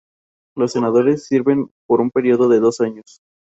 Los Senadores sirven por un período de dos años.